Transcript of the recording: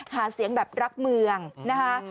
หาเสียงแบบรักเมืองนะคะ